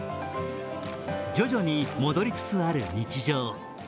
徐々に戻りつつある日常。